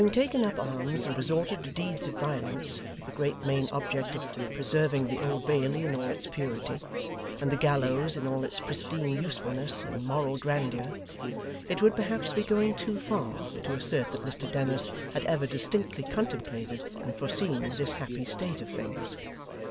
Having taken up arms and resorted to deeds of violence, with the great main object of preserving the Old Bailey in all its purity, and the gallows in all its pristine usefulness and moral grandeur, it would perhaps be going too far to assert that Mr Dennis had ever distinctly contemplated and foreseen this happy state of things.